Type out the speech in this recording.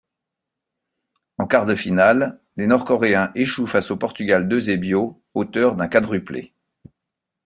En quarts de finale, les Nord-Coréens échouent face au Portugal d'Eusebio, auteur d'un quadruplé.